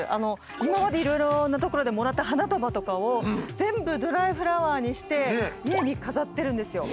今まで色々なところでもらった花束とかを全部ドライフラワーにして家に飾ってるんですよ。